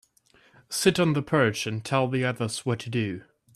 Sit on the perch and tell the others what to do.